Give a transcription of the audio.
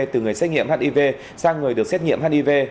từ người xét nghiệm hiv sang người được xét nghiệm hiv